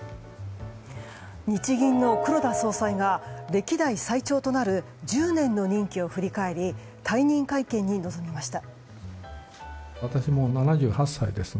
日銀の黒田総裁が歴代最長となる１０年の任期を振り返り退任会見に臨みました。